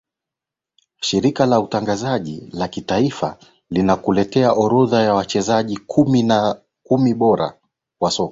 shirika la utangazaji la kimataifa linakuletea orodha ya wachezaji kumi bora wa soka